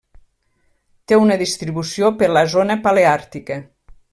Té una distribució per la zona paleàrtica.